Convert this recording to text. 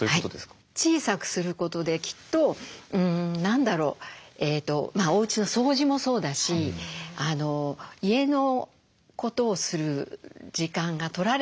小さくすることできっと何だろうおうちの掃除もそうだし家のことをする時間が取られてたんだと思うんですね。